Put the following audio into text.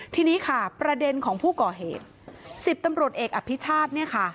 ทีนี้ค่ะประเด็นของผู้ก่อเหตุ๑๐ตำรวจเอกอภิชาติเนี่ยค่ะ